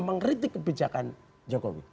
mengkritik kebijakan jokowi